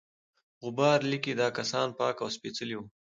غبار لیکي دا کسان پاک او سپیڅلي وه.